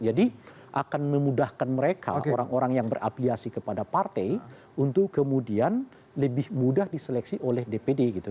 jadi akan memudahkan mereka orang orang yang berapliasi kepada partai untuk kemudian lebih mudah diseleksi oleh dpd gitu